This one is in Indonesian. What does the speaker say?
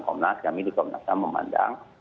pemnas kami di pemnasam memandang